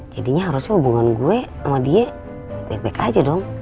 jadinya harusnya hubungan gue sama dia bebek aja dong